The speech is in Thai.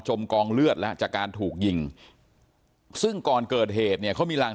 กองเลือดแล้วจากการถูกยิงซึ่งก่อนเกิดเหตุเนี่ยเขามีรัง